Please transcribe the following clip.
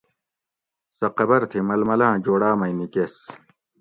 سہۤ قبر تھی ململاۤں جوڑاۤ مئ نِکیس